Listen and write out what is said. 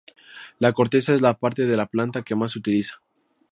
La "corteza" es la parte de la planta que más se utiliza.